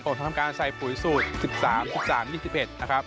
ผมทำการใส่ปุ๋ยสูตร๑๓๑๓๒๑นะครับ